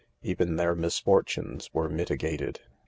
Even their misfortunes were mitigated.